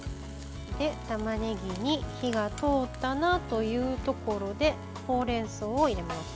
たまねぎに火が通ったなというところでほうれんそうを入れます。